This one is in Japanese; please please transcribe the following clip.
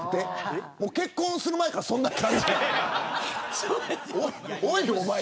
もう結婚する前からそんな感じなの。